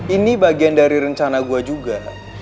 ini bagian dari rencana gue juga